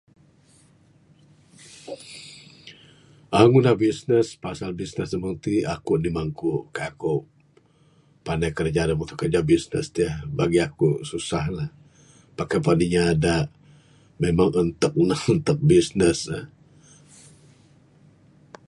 uhh Ngundah bisness, pasal bisness da mung tik akuk mang kuk kaik, akuk pandai kerja da bisness tik ahh. Bagi akuk susah lah. Pak kaik pu'an inya da intuk ne intuk bisness.